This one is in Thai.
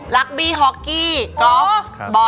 รัคบีฮ็อกกี้กอล์ฟบอล